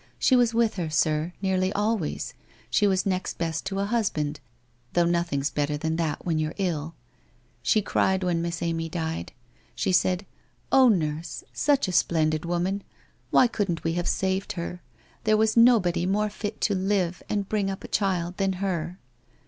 She was with her, sir, nearly always, she was next best to a husband, though nothing's better than that when you're ill. She cried when Miss Amy died. She said :" Oh, nurse, such a splendid woman ! Why couldn't we have saved her! There was nobody more fit to live and bring up a child than her."